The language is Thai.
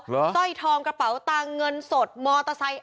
สร้อยทองกระเป๋าตังค์เงินสดมอเตอร์ไซค์